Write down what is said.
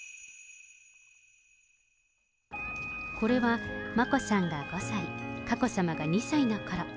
これは眞子さんが５歳、佳子さまが２歳のころ。